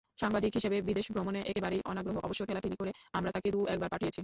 সাংবাদিক হিসেবে বিদেশভ্রমণে একেবারেই অনাগ্রহ, অবশ্য ঠেলাঠেলি করে আমরা তাঁকে দু-একবার পাঠিয়েছি।